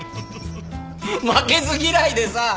負けず嫌いでさ。